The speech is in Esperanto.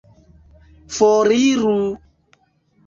Foriru!